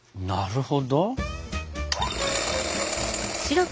なるほど。